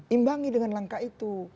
imbangi dengan langkah itu